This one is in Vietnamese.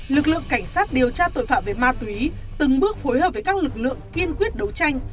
lực lượng cảnh sát điều tra tội phạm về ma túy từng bước phối hợp với các lực lượng kiên quyết đấu tranh